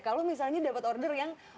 kalau misalnya dapat order yang